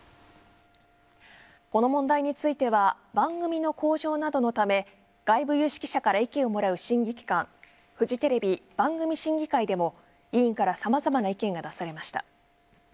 この問題については番組の向上などのため外部有識者から意見をもらう審議機関フジテレビ番組審議会でも委員からさまざまな意見が出されました。